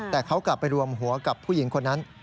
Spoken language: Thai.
แต่เขากลับไปรวมหัวกับผู้หญิงคนนั้น